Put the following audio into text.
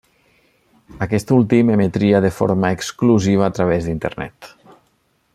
Aquest últim emetria de forma exclusiva a través d'Internet.